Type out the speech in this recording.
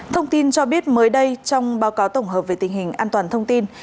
thông tin cho biết mới đây trong báo cáo tổng hợp về tình hình an toàn thông tin